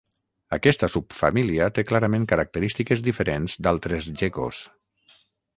Aquesta subfamília té clarament característiques diferents d'altres geckos.